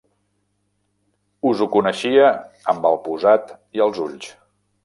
Us ho coneixia amb el posat i els ulls.